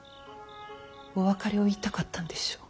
お別れを言いたかったんでしょう。